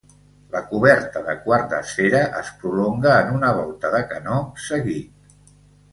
La coberta de quart d'esfera es prolonga en una volta de canó seguit.